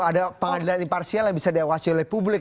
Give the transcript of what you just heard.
ada pengadilan imparsial yang bisa diawasi oleh publik